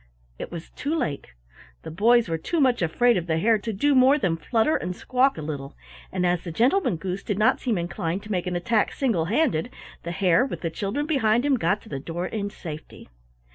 It was too late. The boys were too much afraid of the Hare to do more than flutter and squawk a little, and as the Gentleman Goose did not seem inclined to make an attack single handed, the Hare, with the children behind him, got to the door in safety.